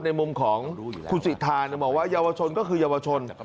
ในมุมของคุณสิทธามองว่าเยาวชนก็คือเยาวชน